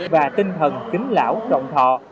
và tinh thần kính lão rộng thọ